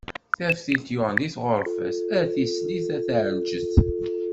Taftilt yuɣen di tɣurfet, a tislit a taɛelǧet.